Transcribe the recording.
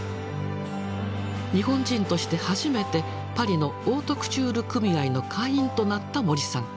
日本人として初めてパリのオートクチュール組合の会員となった森さん。